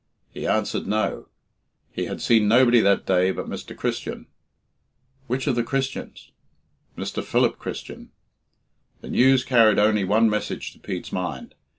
He answered no; he had seen nobody that day but Mr. Christian. Which of the Christians? Mr. Philip Christian. The news carried only one message to Pete's mind.